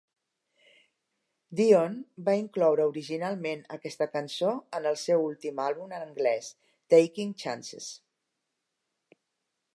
Dion va incloure originalment aquesta cançó en el seu últim àlbum en anglès "Taking Chances".